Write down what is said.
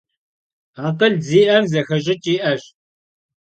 Akhıl zi'em, zexeş'ıç' yi'eş.